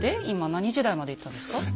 今何時代までいったんですか？